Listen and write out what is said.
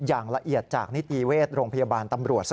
อย่างละเอียดจากนิติเวชโรงพยาบาลตำรวจซะ